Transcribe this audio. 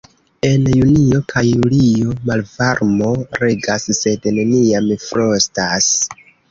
En junio kaj julio malvarmo regas, sed neniam frostas.